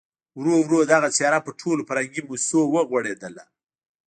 ورو ورو دغه څېره پر ټولو فرهنګي مؤسسو وغوړېدله.